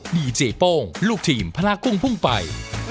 ดีเจโป้งลูกทีมพลากุ้งพุ่งไป